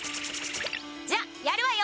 じゃあやるわよ。